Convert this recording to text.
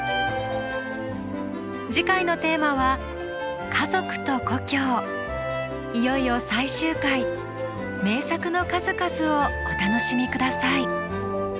次回のテーマはいよいよ最終回名作の数々をお楽しみ下さい。